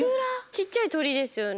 ちっちゃいとりですよね？